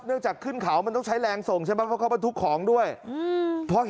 เนื่องจากขึ้นเขามันต้องใช้แรงส่งใช่ไหมเพราะเขามาทุกของด้วยอืม